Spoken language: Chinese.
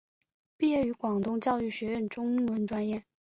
毕业于广东教育学院中文专业。